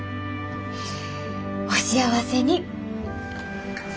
お幸せに。